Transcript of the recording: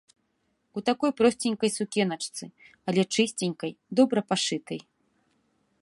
У такой просценькай сукеначцы, але чысценькай, добра пашытай.